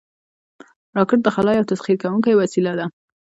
راکټ د خلا یو تسخیر کوونکی وسیله ده